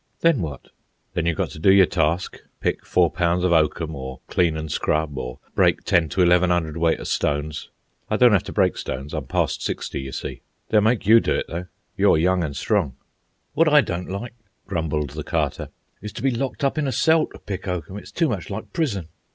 "Then what?" "Then you've got to do your task, pick four pounds of oakum, or clean an' scrub, or break ten to eleven hundredweight o' stones. I don't 'ave to break stones; I'm past sixty, you see. They'll make you do it, though. You're young an' strong." "What I don't like," grumbled the Carter, "is to be locked up in a cell to pick oakum. It's too much like prison."